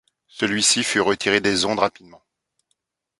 Celui-ci fut retiré des ondes rapidement.